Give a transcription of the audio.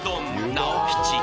直吉。